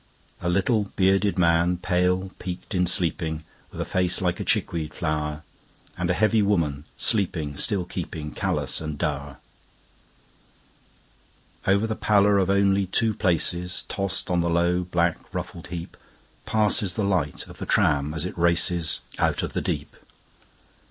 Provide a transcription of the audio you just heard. A little, bearded man, pale, peaked in sleeping, With a face like a chickweed flower. And a heavy woman, sleeping still keepingCallous and dour. Over the pallor of only two placesTossed on the low, black, ruffled heapPasses the light of the tram as it racesOut of the deep.